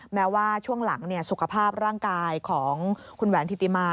แม้ว่าช่วงหลังสุขภาพร่างกายของคุณแหวนธิติมา